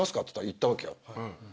行ったわけよ。